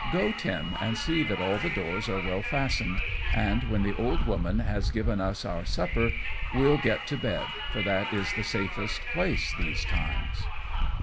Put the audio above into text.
Go, Tim, and see that all the doors are well fastened; and when the old woman has given us our supper, we'll get to bed, for that is the safest place these times."